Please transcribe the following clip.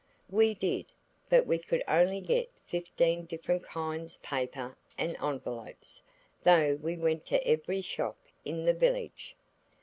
We did, but we could only get fifteen different kinds paper and envelopes, though we went to every shop in the village.